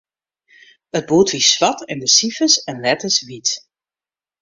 It boerd wie swart en de sifers en letters wyt.